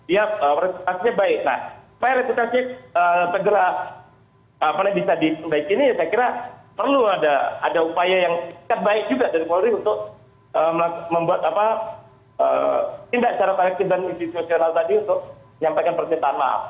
ya baik nah supaya reputasi segera bisa diperbaiki ini saya kira perlu ada upaya yang terbaik juga dari polri untuk membuat tindak secara kolektif dan institusional tadi untuk menyampaikan permintaan maaf